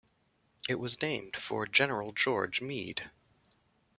It was named for General George Meade.